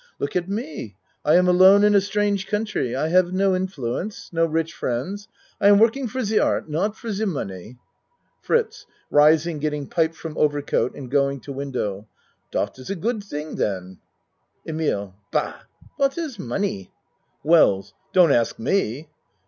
Look at me I am alone in a strange country. I have no influence no rich friends. I am working for ze art not for ze money. FRITZ (Rising, getting pipe from overcott and going to window.) Dat is a good thing den. EMILE Bah! What is money? WELLS Don't ask me.